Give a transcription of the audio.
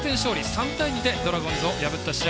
３対２でドラゴンズを破った試合